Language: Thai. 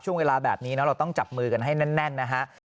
ช่วงเวลาแบบนี้เราต้องจับมือกันให้แน่นนะฮะ